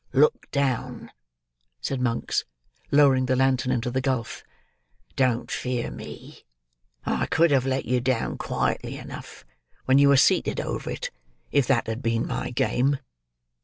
"Look down," said Monks, lowering the lantern into the gulf. "Don't fear me. I could have let you down, quietly enough, when you were seated over it, if that had been my game."